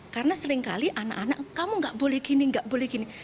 karena seringkali anak anak kamu nggak boleh gini nggak boleh gini